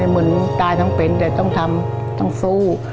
เหมือนตายทั้งเป็นแต่ต้องทำต้องสู้